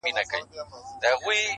• رابللي یې څو ښځي له دباندي -